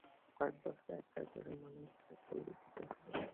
কয়েক বছরে একটা করে মানুষকে বলি দিতে হবে।